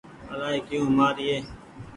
الآئي ڪيو مآر يي۔